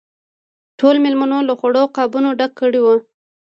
ټولو مېلمنو له خوړو قابونه ډک کړي وو.